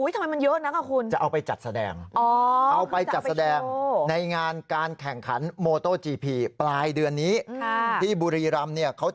ทำไมมันเยอะนะคุณ